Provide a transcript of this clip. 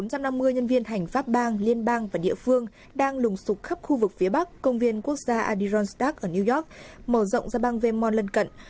hơn bốn trăm năm mươi nhân viên hành pháp bang liên bang và địa phương đang lùng sục khắp khu vực phía bắc công viên quốc gia adirondack ở new york mở rộng sang bang vermont lân cận